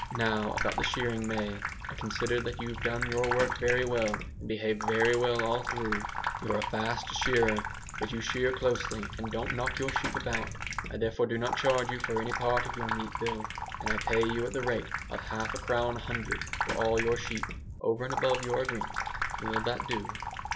Now about the shearing, May. I consider that you've done your work very well, and behaved very well all through. You're a fast shearer, but you shear closely, and don't knock your sheep about. I therefore do not charge you for any part of your meat bill, and I pay you at the rate of half a crown a hundred for all your sheep, over and above your agreement. Will that do?"